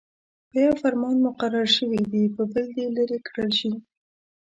په يوه فرمان مقرر شوي دې په بل دې لیرې کړل شي.